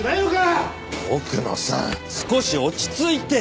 奥野さん少し落ち着いて！